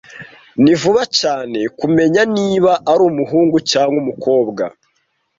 Ni vuba cyane kumenya niba ari umuhungu cyangwa umukobwa.